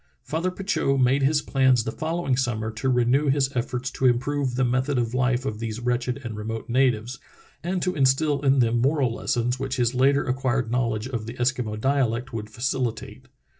'* Father Petitot made his plans the following summer to renew his efforts to improve the method of life of these wretched and remote natives, and to instil in them moral lessons which his later acquired knowledge of the Eskimo dialect would facilitate.